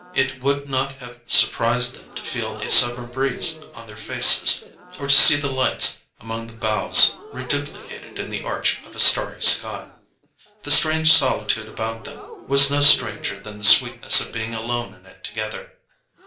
It would not have surprised them to feel a summer breeze on their faces, or to see the lights among the boughs reduplicated in the arch of a starry sky. The strange solitude about them was no stranger than the sweetness of being alone in it together.